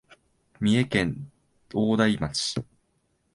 三重県大台町